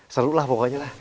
seru lah pokoknya lah